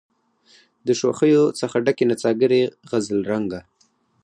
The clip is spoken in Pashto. د شوخیو څخه ډکي نڅاګرې غزل رنګه